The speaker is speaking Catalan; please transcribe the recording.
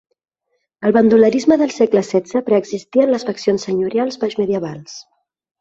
El bandolerisme del segle setze preexistia en les faccions senyorials baixmedievals.